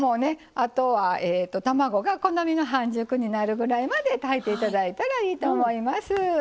あとは卵が好みの半熟になるぐらいまで炊いて頂いたらいいと思います。